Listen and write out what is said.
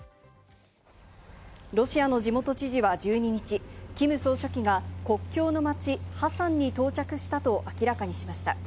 ロシアの地元知事は１２日、キム総書記が国境の街ハサンに到着したと明らかにしました。